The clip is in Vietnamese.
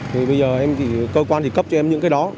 thì bây giờ em thì cơ quan thì cấp cho em những cái đó